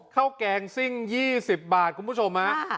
แกงซิ่ง๒๐บาทคุณผู้ชมฮะ